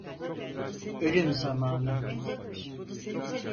Ölüm zamanı?